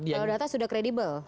kalau data sudah kredibel